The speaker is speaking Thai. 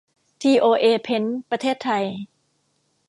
ทีโอเอ เพ้นท์ ประเทศไทย